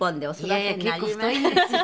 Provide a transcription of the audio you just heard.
いやいや結構太いんですよ。